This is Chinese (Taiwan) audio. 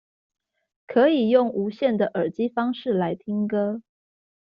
可以用無線的耳機方式來聽歌